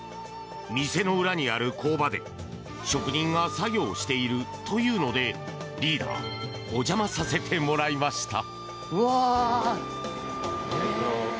店の裏にある工場で職人が作業をしているというのでリーダーお邪魔させてもらいました。